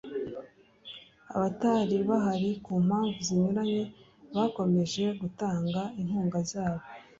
abatari bahari ku mpamvu zinyuranye bakomeje gutanga inkunga zabo